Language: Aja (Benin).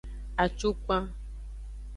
Acukpan.